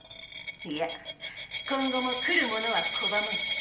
いや今後も来る者は拒まん。